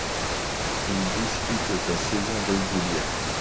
Il dispute de saison régulière.